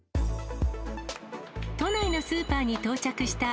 都内のスーパーに到着した